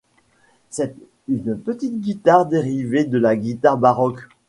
C'est une petite guitare dérivée de la guitare baroque.